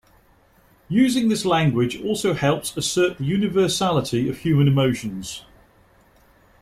Using this language also helps assert the universality of human emotions.